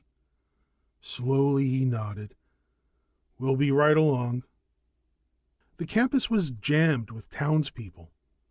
_" Slowly, he nodded. "We'll be right along." The campus was jammed with townspeople.